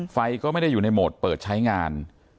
ไฟก็ไม่ได้อยู่ในโหมดเปิดใช้งาน